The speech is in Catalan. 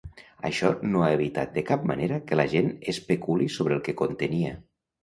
Això no ha evitat de cap manera que la gent especuli sobre el que contenia.